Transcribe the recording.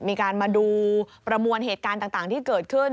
มีการมาดูประมวลเหตุการณ์ต่างที่เกิดขึ้น